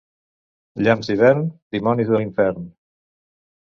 Llamps d'hivern, dimonis de l'infern.